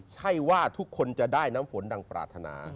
ใช่ว่าทุกคนจะได้น้ำฝนดังปรารถนา